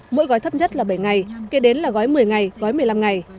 mỗi gói thấp nhất là bảy ngày kể đến là gói một mươi ngày gói một mươi năm ngày